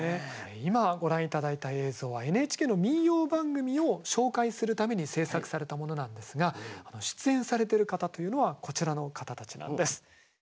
今ご覧頂いた映像はＮＨＫの民謡番組を紹介するために制作されたものなんですが出演されてる方というのはこちらの方たちなんです。